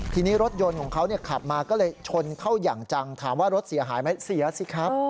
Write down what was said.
ทีนี้รถยนต์ของเขาขับมาก็เลยชนเข้าอย่างจังถามว่ารถเสียหายไหมเสียสิครับ